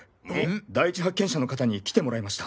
第１発見者の方に来てもらいました。